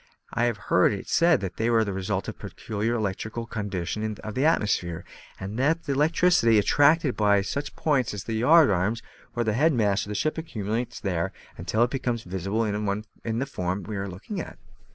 I have heard, it said that they are the result of a peculiar electrical condition of the atmosphere, and that the electricity, attracted by any such points as the yard arms or mast heads of a ship, accumulates there until it becomes visible in the form we are now looking at."